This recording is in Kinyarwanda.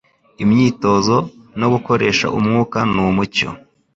Imyitozo, no gukoresha umwuka n’umucyo